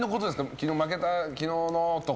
昨日負けた昨日のとか。